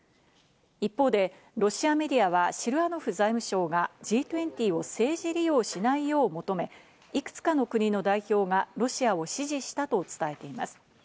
一方でロシアメディアはシルアノフ財務相がＧ２０を政治利用しないよう求め、いくつかの国の代表がロシアを支持したと伝えています。